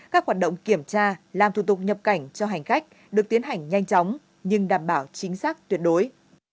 các hoạt động kiểm tra làm thủ tục nhập cảnh cho hành khách được tiến hành nhanh chóng nhưng đảm bảo chính xác tuyệt đối